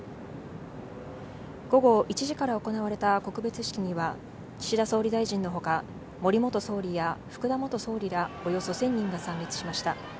午後１時から行われた告別式には、岸田総理大臣のほか、森元総理や福田元総理ら、およそ１０００人が参列しました。